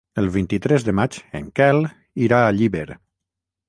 El vint-i-tres de maig en Quel irà a Llíber.